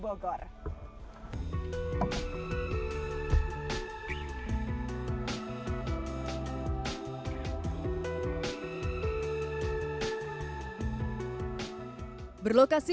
berlokasi di dki jakarta sungai ciliwung adalah satu dari dua kawasan yang terkenal di dki jakarta